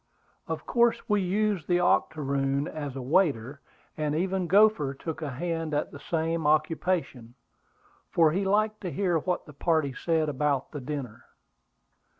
Of course we used the octoroon as a waiter; and even Gopher took a hand at the same occupation, for he liked to hear what the party said about the dinner.